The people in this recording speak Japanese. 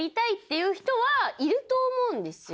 いう人はいると思うんですよ。